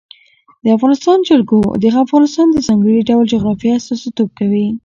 د افغانستان جلکو د افغانستان د ځانګړي ډول جغرافیه استازیتوب کوي.